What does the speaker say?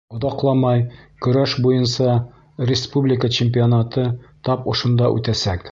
Оҙаҡламай көрәш буйынса республика чемпионаты тап ошонда үтәсәк.